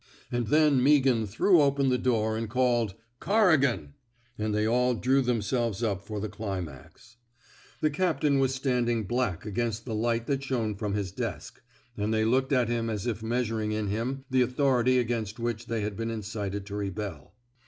And then Meaghan threw open his door and called Corrigan !''— and they all drew themselves up for the climax. The 256 A PERSONALLY CONDUCTED REVOLT captain was standing black against the light that shone from his desk; and they looked at him as if measuring in him the authority against which they had been incited to rebel.